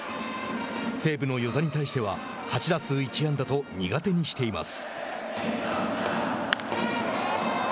西武の與座に対しては８打数１安打と苦手にしています。